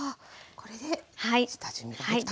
これで下準備ができたと。